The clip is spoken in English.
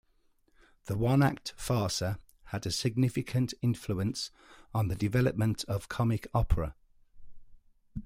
The one-act farsa had a significant influence on the development of comic opera.